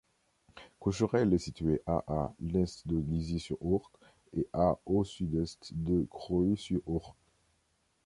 Cocherel est située à à l'est de Lizy-sur-Ourcq et à au sud-est de Crouy-sur-Ourcq.